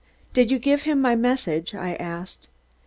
"Did you give him my message?" I asked.